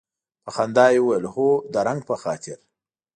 په خندا یې وویل هو د رنګ په خاطر.